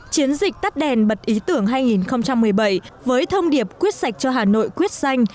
chiến dịch tắt đèn bật ý tưởng hai nghìn một mươi bảy với thông điệp quyết sạch cho hà nội quyết xanh